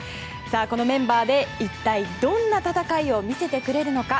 このメンバーで一体どんな戦いを見せてくれるのか。